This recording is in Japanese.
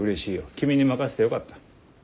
君に任せてよかった。